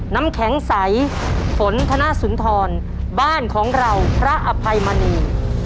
น้ำแข็งใสฝนธนสุนทรบ้านของเราพระอภัยมณี